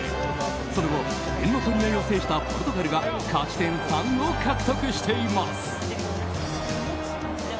その後、点の取り合いを制したポルトガルが勝ち点３を獲得しています。